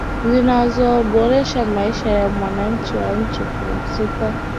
zinaboresha maisha ya wananchi wa nchi husika